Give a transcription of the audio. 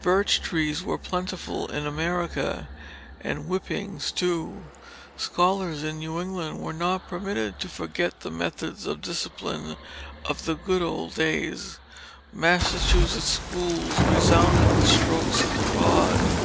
Birch trees were plentiful in America and whippings too. Scholars in New England were not permitted to forget the methods of discipline of "the good old days." Massachusetts schools resounded with strokes of the rod.